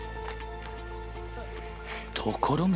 ところが。